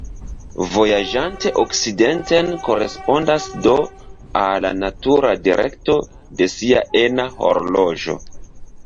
Vojaĝante okcidenten korespondas do al la natura direkto de sia ena horloĝo.